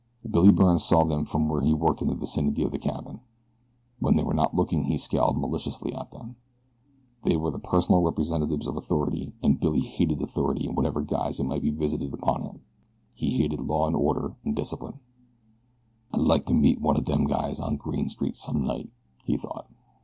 Billy Byrne saw them from where he worked in the vicinity of the cabin. When they were not looking he scowled maliciously at them. They were the personal representatives of authority, and Billy hated authority in whatever guise it might be visited upon him. He hated law and order and discipline. "I'd like to meet one of dem guys on Green Street some night," he thought.